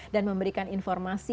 dan memberikan informasi